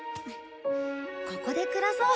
ここで暮らそう。